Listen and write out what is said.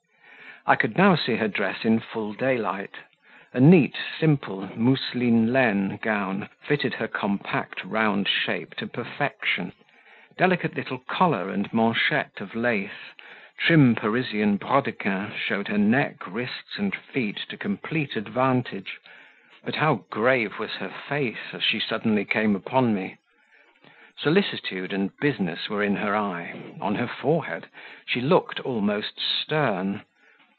I could now see her dress in full daylight; a neat, simple mousseline laine gown fitted her compact round shape to perfection delicate little collar and manchettes of lace, trim Parisian brodequins showed her neck, wrists, and feet, to complete advantage; but how grave was her face as she came suddenly upon me! Solicitude and business were in her eye on her forehead; she looked almost stern.